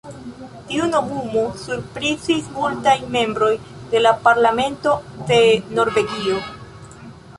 Tiu nomumo surprizis multajn membrojn de la Parlamento de Norvegio.